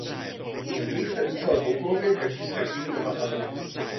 V nich se utkal dvoukolově každý s každým doma a venku.